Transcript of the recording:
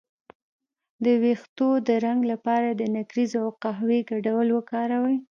د ویښتو د رنګ لپاره د نکریزو او قهوې ګډول وکاروئ